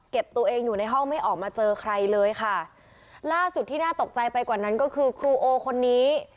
ตัวเองอยู่ในห้องไม่ออกมาเจอใครเลยค่ะล่าสุดที่น่าตกใจไปกว่านั้นก็คือครูโอคนนี้